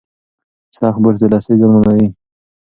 سخت برس د لثې زیانمنوي.